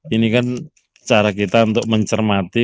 ini kan cara kita untuk mencermati